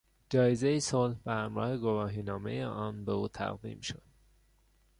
جایزهی صلح به همراه گواهینامهی آن به او تقدیم شد.